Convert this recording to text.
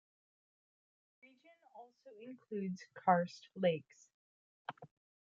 The region also includes karst lakes.